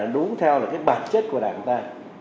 đúng theo bản chất của đảng ta